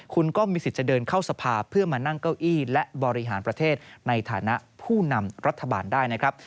คุณก็มีสิทธิ์จะเดินเข้าสภาเพื่อมานั่งเก้าอี้และบริหารประเทศในฐานะผู้นำรัฐบาลได้นะครับ